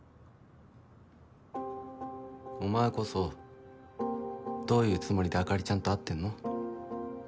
お前こそどういうつもりであかりちゃんと会ってんの？